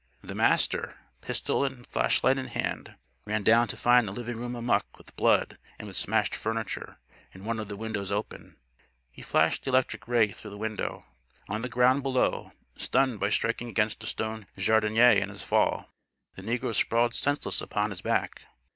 The Master, pistol and flashlight in hand, ran down to find the living room amuck with blood and with smashed furniture, and one of the windows open. He flashed the electric ray through the window. On the ground below, stunned by striking against a stone jardinière in his fall, the negro sprawled senseless upon his back.